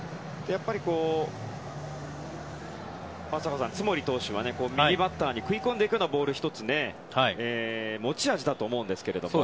松坂さん、津森投手は右バッターに食い込んでいくのが１つ、持ち味だと思うんですけれども。